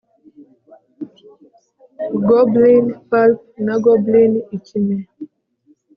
Goblin pulp na goblin ikime